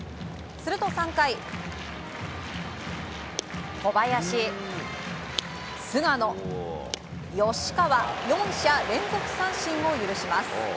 すると３回、小林、菅野、吉川４者連続三振を許します。